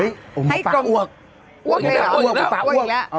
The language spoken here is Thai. โอ๊ยให้กลมตาอ้วกอ้วกอีกแล้วปลาอ้วกอีกแล้ว